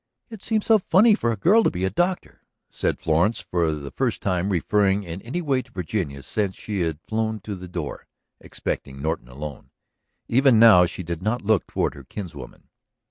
"It seems so funny for a girl to be a doctor," said Florence, for the first time referring in any way to Virginia since she had flown to the door, expecting Norton alone. Even now she did not look toward her kinswoman.